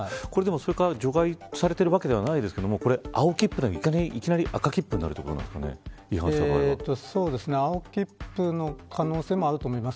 それから除外されているわけではないですけど、青切符でいきなり赤切符になる青切符の可能性もあると思います。